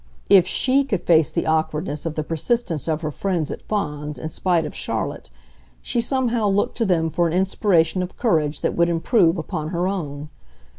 If SHE could face the awkwardness of the persistence of her friends at Fawns in spite of Charlotte, she somehow looked to them for an inspiration of courage that would improve upon her own.